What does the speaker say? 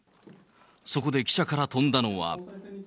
そこで記者から飛んだのは。